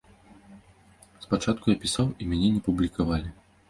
Спачатку я пісаў і мяне не публікавалі.